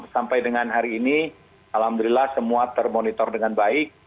sampai dengan hari ini alhamdulillah semua termonitor dengan baik